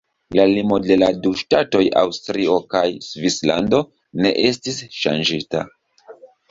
La limo de la du ŝtatoj Aŭstrio kaj Svislando ne estis ŝanĝita.